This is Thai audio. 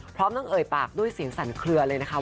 พร้อมทั้งเอ่ยปากด้วยเสียงสั่นเคลือเลยนะคะ